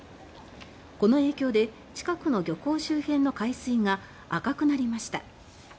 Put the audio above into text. この影響で近くの漁港周辺の海水が赤くなりました。